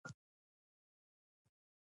توکي د انسان لپاره ګټور دي.